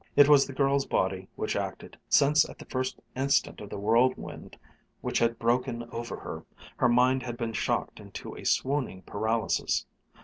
It was the girl's body which acted, since at the first instant of the whirlwind which had broken over her, her mind had been shocked into a swooning paralysis.